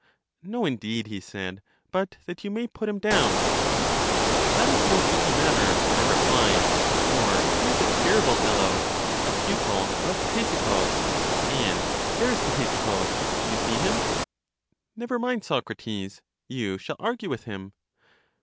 No, indeed, he said; but that you may put him down. That is no easy matter, I replied; for he is a ter rible fellow — a pupil of Ctesippus. And there is Ctesippus : do you see him ? Never mind, Socrates, you shall argue with him.